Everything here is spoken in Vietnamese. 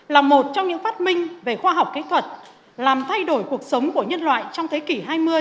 là một trong những phát minh về khoa học kỹ thuật làm thay đổi cuộc sống của nhân loại trong thế kỷ hai mươi